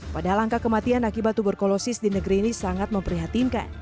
padahal angka kematian akibat tuberkulosis di negeri ini sangat memprihatinkan